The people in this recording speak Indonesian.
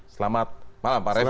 selamat malam pak reva